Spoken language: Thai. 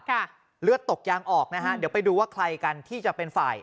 เลือดตกยางออกนะฮะเดี๋ยวไปดูว่าใครกันที่จะเป็นฝ่าย